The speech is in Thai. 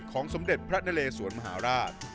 สมเด็จพระนเลสวนมหาราช